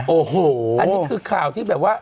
โอ้โหอันนี้คือข่าวที่แบบว่า